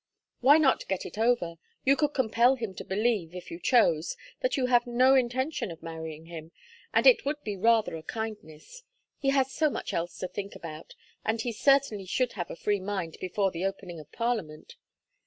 "Why not get it over? You could compel him to believe, if you chose, that you have no intention of marrying him, and it would be rather a kindness; he has so much else to think about, and he certainly should have a free mind before the opening of Parliament.